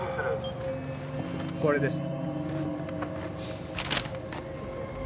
これです。